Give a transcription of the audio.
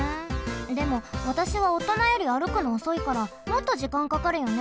でもわたしはおとなより歩くのおそいからもっと時間かかるよね。